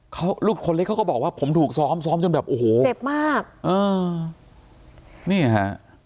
เขาลูกคนเล็กเขาก็บอกว่าผมถูกซ้อมซ้อมจนแบบโอ้โหเจ็บมากเออนี่ฮะ